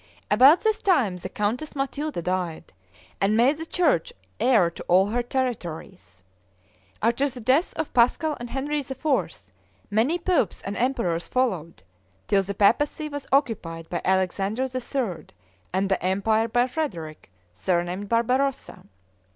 About this time, the Countess Matilda died, and made the church heir to all her territories. After the deaths of Pascal and Henry IV. many popes and emperors followed, till the papacy was occupied by Alexander III. and the empire by Frederick, surnamed Barbarossa.